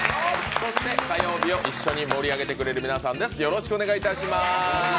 そして火曜日を一緒に盛り上げてくれる皆さんです。